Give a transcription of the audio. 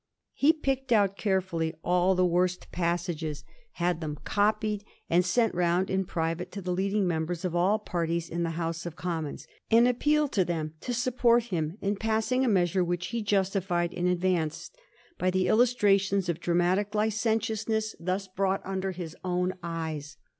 He picked out carefully all the worst passages, 96 A HISTORY OF THE FOUR GEORGES. CH.xxnL and had them copied, and sent round in private to the leading membera of all parties in the House of Commons, and appealed to them to support him in passing a measure which he justified in advance by the illustrations of dra matic licentiousness thus brought under their own eyes.